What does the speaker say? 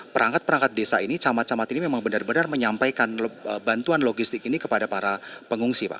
perangkat perangkat desa ini camat camat ini memang benar benar menyampaikan bantuan logistik ini kepada para pengungsi pak